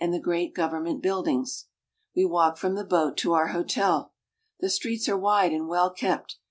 the great government buildings. We walk from the boat to our hotel. The streets are wide and well kept.